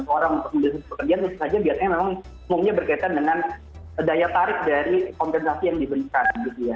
orang untuk bekerja harus saja biar memang semuanya berkaitan dengan daya tarik dari kompensasi yang diberikan gitu ya